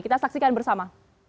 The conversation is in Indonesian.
kita saksikan bersama